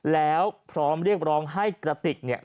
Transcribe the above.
แล้วพร้อมเรียกร้องให้กระติกเนี่ย